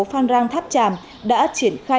phan rang tháp tràm đã triển khai